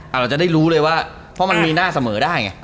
เราจะได้รู้เลยว่ามีหน้าเสมอได้